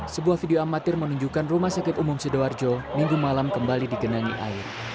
sebuah video amatir menunjukkan rumah sakit umum sidoarjo minggu malam kembali digenangi air